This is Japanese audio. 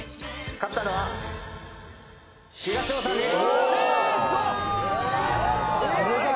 勝ったのは東尾さんです。